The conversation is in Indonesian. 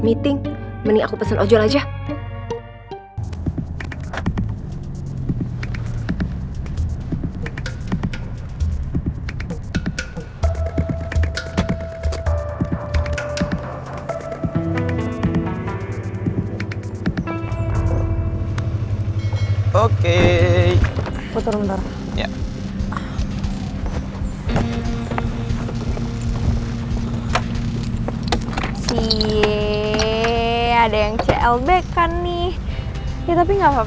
minyei memang keren banget